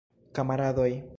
Kamaradoj!